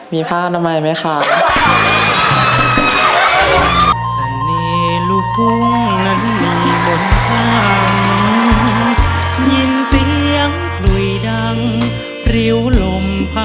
มีผ้าอนามัยไหมคะ